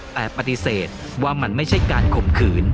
แต่ปฏิเสธว่ามันไม่ใช่การข่มขืน